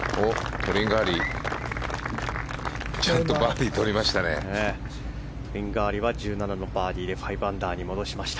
トリンガーリは１７のバーディーで５アンダーに戻しました。